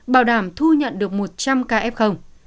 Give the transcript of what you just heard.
bảo đảm thu nhận được một trăm linh kf